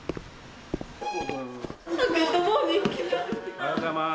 おはようございます。